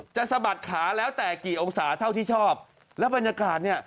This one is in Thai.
สะบัดขาแล้วแต่กี่องศาเท่าที่ชอบแล้วบรรยากาศเนี่ย